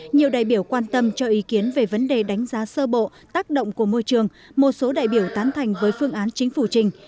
nhiều đại biểu quan tâm cho ý kiến về vấn đề đánh giá sơ bộ tác động của môi trường một số đại biểu tán thành với phương án chính phủ trình